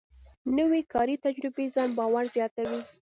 نوې کاري تجربه ځان باور زیاتوي